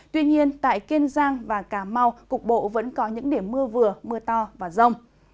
tuy nhiên tại kiên giang và cà mau cục bộ vẫn có những điểm mưa vừa mưa to và rông